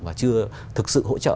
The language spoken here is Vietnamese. và chưa thực sự hỗ trợ